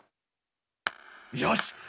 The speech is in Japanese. よし。